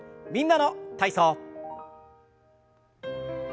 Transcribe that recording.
「みんなの体操」。